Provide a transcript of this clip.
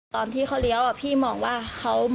ตอนนี้ก็เลยสงสารเขา